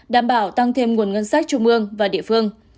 đảm bảo tăng thêm nguồn ngân sách trung ương và địa phương